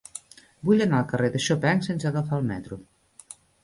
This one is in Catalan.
Vull anar al carrer de Chopin sense agafar el metro.